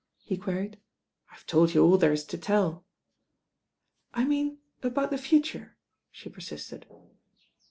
he queried. "I've told you aU there is to tell." ^ "I mean about the future," she persisted.